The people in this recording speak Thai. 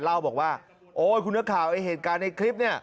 เล่าบอกว่าโอ๊ยคุณนักข่าวไอ้เหตุการณ์ในคลิปเนี่ย